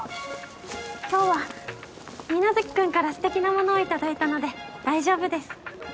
今日は皆月君からステキなものを頂いたので大丈夫です。